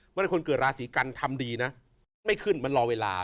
เมื่อคนเกิดราศีกันทำดีนะคิดไม่ขึ้นมันรอเวลา